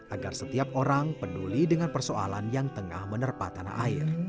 agar setiap orang peduli dengan persoalan yang tengah menerpa tanah air